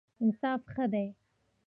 انصاف ښه دی.